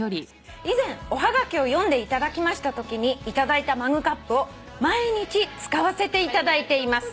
「以前おはがきを読んでいただきましたときに頂いたマグカップを毎日使わせていただいています」